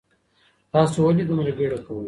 تاسو ولې دومره بیړه کوئ؟